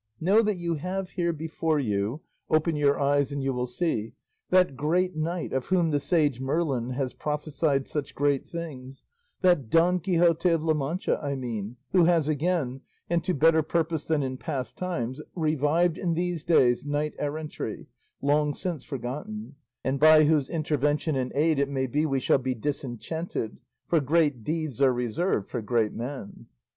Know that you have here before you (open your eyes and you will see) that great knight of whom the sage Merlin has prophesied such great things; that Don Quixote of La Mancha I mean, who has again, and to better purpose than in past times, revived in these days knight errantry, long since forgotten, and by whose intervention and aid it may be we shall be disenchanted; for great deeds are reserved for great men.